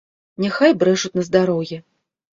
Няхай брэшуць на здароўе.